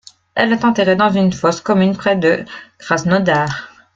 Elle est enterrée dans une fosse commune près de Krasnodar.